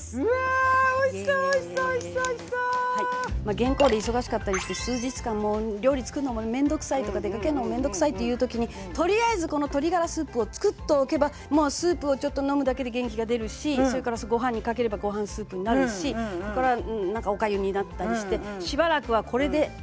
原稿で忙しかったりして数日間もう料理作るのも面倒くさいとか出かけるのも面倒くさいっていう時にとりあえずこの鶏ガラスープを作っておけばもうスープをちょっと飲むだけで元気が出るしそれからご飯にかければご飯スープになるしそれから何かおかゆになったりしてしばらくはこれで生きていける。